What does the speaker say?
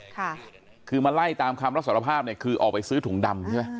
ค่ะคือมาไล่ตามคำรับสารภาพเนี่ยคือออกไปซื้อถุงดำใช่ไหม